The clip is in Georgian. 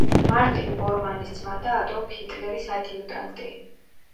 მარტინ ბორმანის ძმა და ადოლფ ჰიტლერის ადიუტანტი.